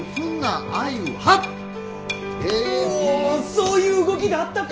そういう動きであったか！